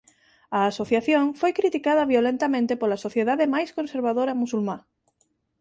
A asociación foi criticada violentamente pola sociedade máis conservadora musulmá..